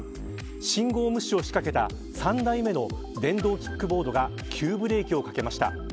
信号無視をしかけた３台目の電動キックボードが急ブレーキをかけました。